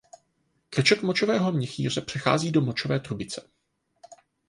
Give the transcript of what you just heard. Krček močového měchýře přechází do močové trubice.